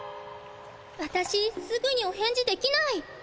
わたしすぐにお返事できない。